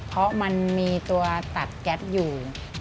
เพราะมันมีตัวตัดแก๊ปอยู่